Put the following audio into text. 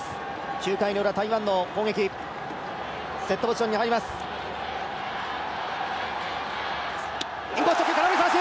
９回の裏台湾の攻撃セットポジションに入ります空振り三振！